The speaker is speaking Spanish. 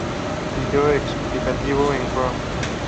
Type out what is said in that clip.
Vídeo explicativo de Chord